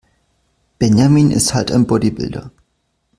Benjamin ist halt ein Bodybuilder.